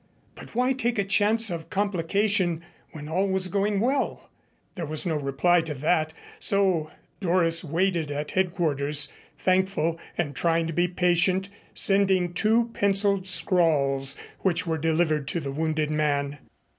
But why take a chance of complication when all was going well? There was no reply to that, so Doris waited at headquarters, thankful and trying to be patient, sending two penciled scrawls which were delivered to the wounded man.